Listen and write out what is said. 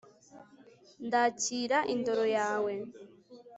ndakira, indoro yawe